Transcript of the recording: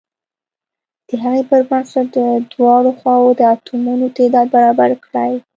د هغې پر بنسټ د دواړو خواو د اتومونو تعداد برابر کړئ.